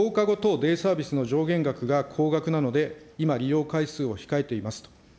デイサービスの上限額が高額なので、今、利用回数を控えていますと。